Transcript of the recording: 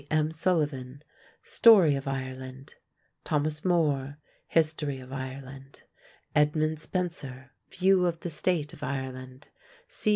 M. Sullivan: Story of Ireland; Thomas Moore: History of Ireland; Edmund Spenser: View of the State of Ireland; C.